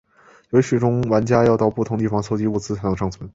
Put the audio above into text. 游戏中玩家要到不同地方搜集物资才能生存。